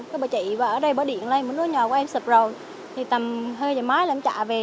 cái bà chị ở đây bỏ điện lên mấy đứa nhỏ của em sụp rồi thì tầm hơi giờ mái là em chạy về